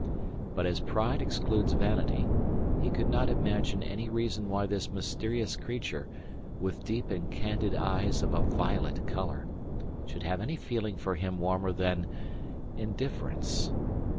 But as pride excludes vanity, he could not imagine any reason why this mysterious creature, with deep and candid eyes of a violet colour, should have any feeling for him warmer than indifference.